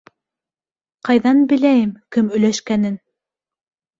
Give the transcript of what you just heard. — Ҡайҙан беләйем кем өләшкәнен.